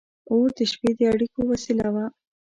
• اور د شپې د اړیکو وسیله وه.